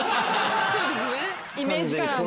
そうですねイメージカラーも。